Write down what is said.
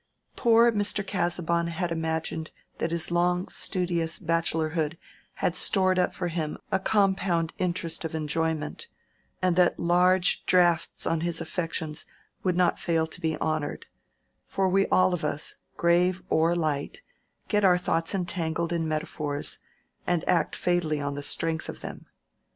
Poor Mr. Casaubon had imagined that his long studious bachelorhood had stored up for him a compound interest of enjoyment, and that large drafts on his affections would not fail to be honored; for we all of us, grave or light, get our thoughts entangled in metaphors, and act fatally on the strength of them.